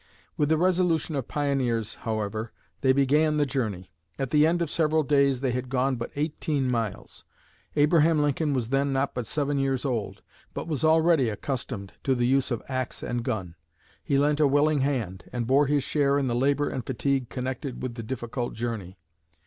With the resolution of pioneers, however, they began the journey. At the end of several days they had gone but eighteen miles. Abraham Lincoln was then but seven years old, but was already accustomed to the use of axe and gun. He lent a willing hand, and bore his share in the labor and fatigue connected with the difficult journey.